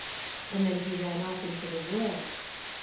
'' And then he ran off into the wood.